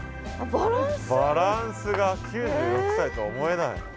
バランスが９６歳とは思えない。